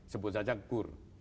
sebut saja kur